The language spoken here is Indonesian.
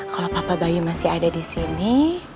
kalau papa bayu masih ada di sini